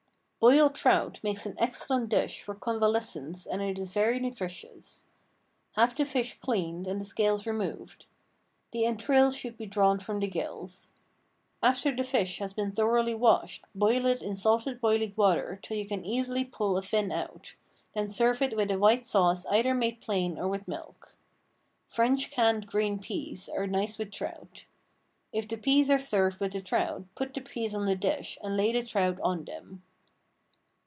Boiled trout makes an excellent dish for convalescents and it is very nutritious. Have the fish cleaned and the scales removed. The entrails should be drawn from the gills. After the fish has been thoroughly washed boil it in salted boiling water till you can easily pull a fin out, then serve it with a white sauce either made plain or with milk. French canned green peas are nice with trout. If the peas are served with the trout put the peas on the dish and lay the trout on them.